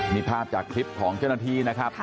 นี่ภาพจากคลิปของเจ้าหน้าที่นะครับ